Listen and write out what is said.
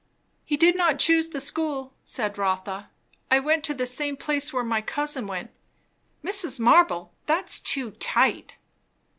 "He did not choose the school," said Rotha. "I went to the same place where my cousin went. Mrs. Marble, that's too tight."